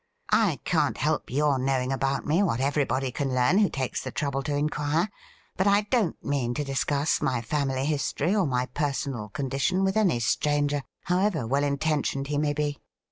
I can't help your knowing about me what every body can learn who takes the trouble to inquire ; but I don't mean to discuss my family history or my personal condition with any stranger, however well intentioned he may be.'